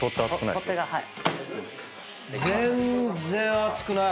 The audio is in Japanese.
全然熱くない！